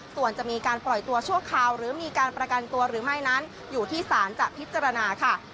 ส่วนจะมีการปล่อยตัวชั่วคราวหรือมีการประกันตัวหรือไม่นั้นอยู่ที่ศาลจะพิจารณาค่ะ